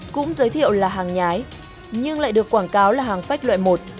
cũng giới thiệu là hàng nhái nhưng lại được quảng cáo là hàng phách loại một